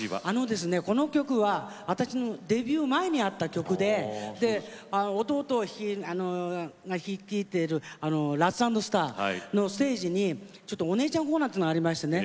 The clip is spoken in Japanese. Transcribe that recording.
この曲は私のデビュー前にあった曲で弟が率いているラッツ＆スターのステージにちょっとお姉ちゃんコーナーっつうのがありましてね